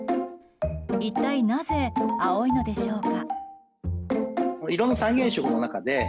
一体なぜ、青いのでしょうか。